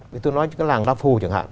thì tôi nói cái làng đa phù chẳng hạn